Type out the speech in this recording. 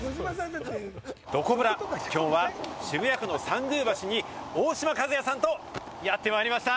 どこブラ、きょうは渋谷区の参宮橋にオオシマ一哉さんとやってまいりました。